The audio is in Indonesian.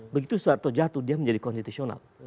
begitu soeharto jatuh dia menjadi konstitusional